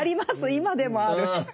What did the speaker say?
今でもある。